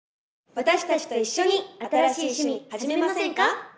私たちと一緒に新しい趣味はじめませんか？